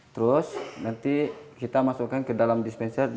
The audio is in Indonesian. terus nanti kita masukkan ke dalam dispenser